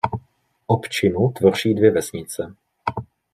Opčinu tvoří dvě vesnice.